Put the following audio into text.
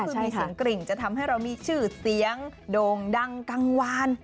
คือมีเสียงกริ่งจะทำให้เรามีชื่อเสียงโด่งดังกลางวาน